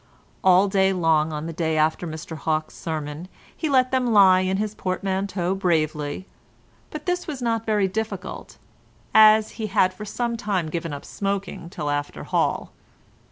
All day long on the day after Mr Hawke's sermon he let them lie in his portmanteau bravely; but this was not very difficult, as he had for some time given up smoking till after hall.